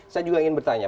saya juga ingin bertanya